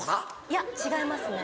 いや違いますね。